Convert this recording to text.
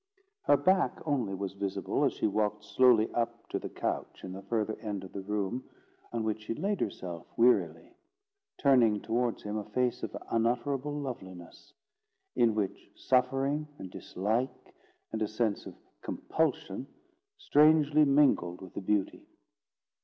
Her back only was visible as she walked slowly up to the couch in the further end of the room, on which she laid herself wearily, turning towards him a face of unutterable loveliness, in which suffering, and dislike, and a sense of compulsion, strangely mingled with the beauty.